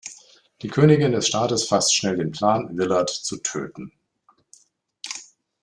Die Königin des Staates fasst schnell den Plan, Willard zu töten.